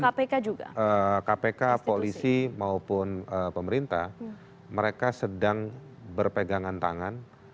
kpk juga kpk polisi maupun pemerintah mereka sedang berpegangan tangan